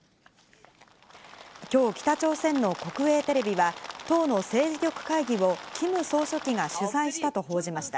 きょう、北朝鮮の国営テレビは、党の政治局会議をキム総書記が主催したと報じました。